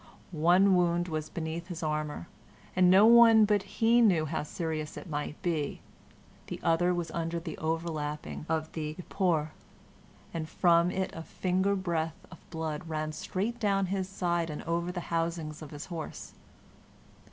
One wound was beneath his armor, and no one but he knew how serious it might be; the other was under the overlapping of the epauhere, and from it a finger's breadth of blood ran straight down his side and over the housings of his horse.